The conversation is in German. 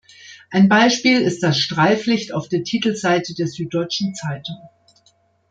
Ein Beispiel ist das Streiflicht auf der Titelseite der Süddeutschen Zeitung.